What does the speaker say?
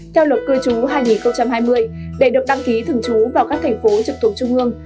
theo luật cư trú hai nghìn hai mươi để được đăng ký thường trú vào các thành phố trực thuộc trung ương